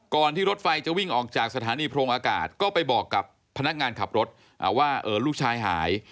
ที่รถไฟจะวิ่งออกจากสถานีโพรงอากาศก็ไปบอกกับพนักงานขับรถว่าลูกชายหาย